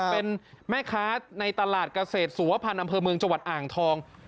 เป็นแม่ค้าในตลาดเกษตรสุวพันธ์อำเภอเมืองจังหวัดอ่างทอง